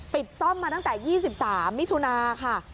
ปิดซ่อมมาตั้งแต่๒๓มิถุนาค่ะ